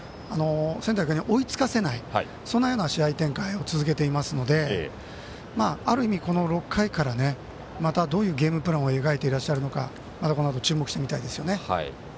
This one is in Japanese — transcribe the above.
仙台育英に追いつかせないそのような試合展開を続けていますのである意味６回からまたどういうゲームプランを描いていらっしゃるのかこのあと注目して見たいですね。